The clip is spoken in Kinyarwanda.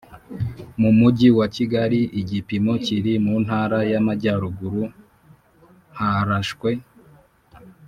Mu mujyi wa Kigali igipimo kiri mu ntara y Amajyaruguru harashwe